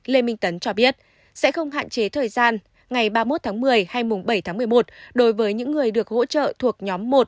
lê minh tấn cho biết sẽ không hạn chế thời gian ngày ba mươi một tháng một mươi hay mùng bảy tháng một mươi một đối với những người được hỗ trợ thuộc nhóm một